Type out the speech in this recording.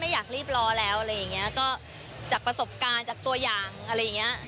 อยากรีบรอแล้วอะไรอย่างเงี้ยก็จากประสบการณ์จากตัวอย่างอะไรอย่างเงี้ย